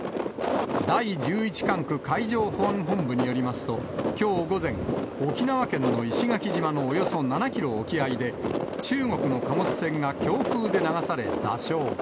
第１１管区海上保安本部によりますと、きょう午前、沖縄県の石垣島のおよそ７キロ沖合で、中国の貨物船が強風で流され、座礁。